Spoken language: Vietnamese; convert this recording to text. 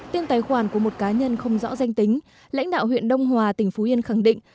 tiêm tài khoản của một cá nhân không rõ danh tính lãnh đạo huyện đông hòa tỉnh phú yên khẳng định